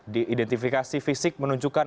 di identifikasi fisik menunjukkan